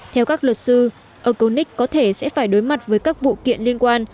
theo các luật sư oconix có thể sẽ phải đối mặt với các bụi kiện liên quan